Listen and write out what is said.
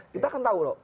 kita kan tahu loh